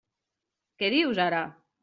Què dius ara!